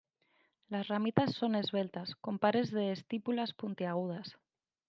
Las ramitas son esbeltas con pares de estípulas puntiagudas.